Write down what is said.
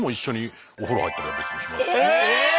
え！